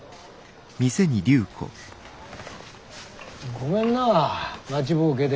ごめんなあ待ちぼうけで。